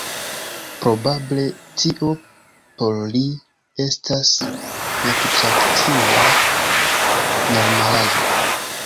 Probable tio por li estas nepritraktinda normalaĵo.